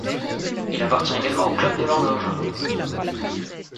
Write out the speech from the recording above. Il appartient également au Club de l'horloge.